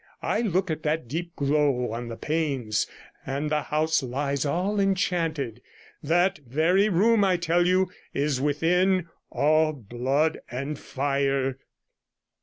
I look at that deep glow on the panes, and the house lies all enchanted; that very room, I tell you, is within all blood and fire.'